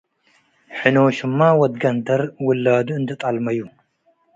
ሕኖሽምማ ወድ ገንደር - ውላዱ እንዴ ጠልመዩ